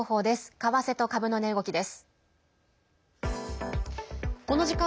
為替と株の値動きです。